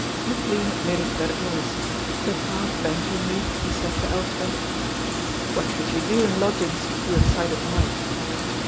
McLean admitted that it was, but half banteringly he said to Elspeth: "What could you do in lodgings, you excited mite?"